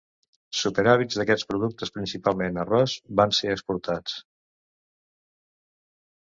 Superàvits d'aquests productes, principalment arròs, van ser exportats.